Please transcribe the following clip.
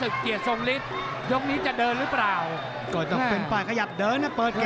เดินนะเปิดเกมล่ะช้างศึก